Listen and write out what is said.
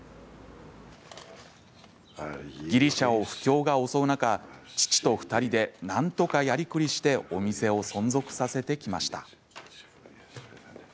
ギリシャを不況が襲う中父と２人でなんとかやりくりしてお店を存続させてきました。